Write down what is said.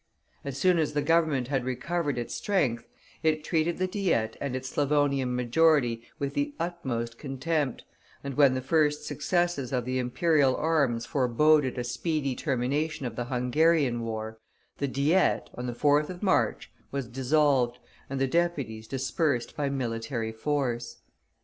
As soon as the Government had recovered its strength, it treated the Diet and its Slavonian majority with the utmost contempt, and when the first successes of the Imperial arms foreboded a speedy termination of the Hungarian War, the Diet, on the 4th of March, was dissolved, and the deputies dispersed by military force.